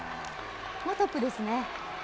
もうトップですね。